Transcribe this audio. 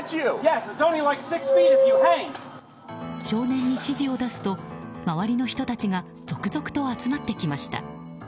少年に指示を出すと周りの人たちが続々と集まってきました。